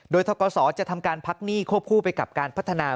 โดยทกศจะทำการพักหนี้ควบคู่ไปกับการพัฒนา